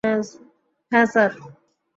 হ্যা, স্যার!